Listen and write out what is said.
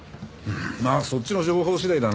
まあそっちの情報次第だね。